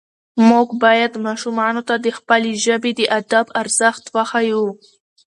موږ باید ماشومانو ته د خپلې ژبې د ادب ارزښت وښیو